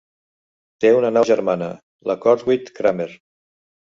Té una nau germana, la "Corwith Cramer".